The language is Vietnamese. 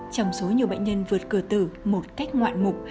trong số nhiều bệnh nhân vượt cửa tử một cách ngoạn mục